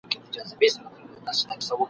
ويل كشكي ته پيدا نه واى له موره ..